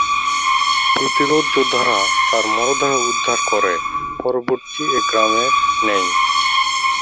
প্রতিরোধ যোদ্ধারা তার মরদেহ উদ্ধার করে পার্শ্ববর্তী এক গ্রামে নেন।